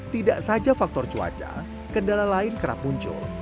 tidak saja faktor cuaca kendala lain kerap muncul